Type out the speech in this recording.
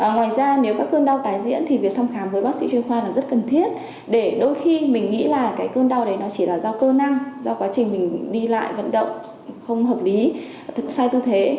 ngoài ra nếu các cơn đau tái diễn thì việc thăm khám với bác sĩ chuyên khoa là rất cần thiết để đôi khi mình nghĩ là cái cơn đau đấy nó chỉ là do cơ năng do quá trình mình đi lại vận động không hợp lý thực sai tư thế